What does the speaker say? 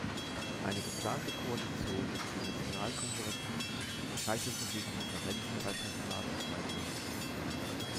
Eine geplante Koalition mit den Nationalkonservativen scheiterte wegen Differenzen bei Personalentscheidungen.